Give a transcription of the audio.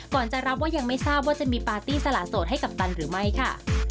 จะรับว่ายังไม่ทราบว่าจะมีปาร์ตี้สละโสดให้กัปตันหรือไม่ค่ะ